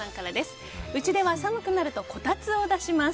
うちでは寒くなるとこたつを出します。